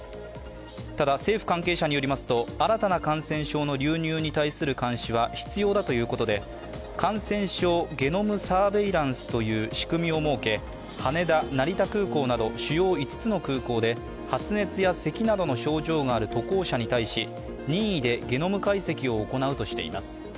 ただ政府関係者によりますと、新たな感染症の流入に対する監視は必要だということで、感染症ゲノムサーベイランスという仕組みを設け、羽田、成田空港など主要５つの空港で発熱やせきなどの症状がある渡航者に対し任意でゲノム解析を行うとしています。